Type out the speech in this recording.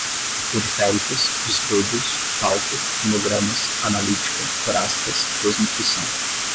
periféricos, distúrbios, talco, hemogramas, analítica, torácicas, desnutrição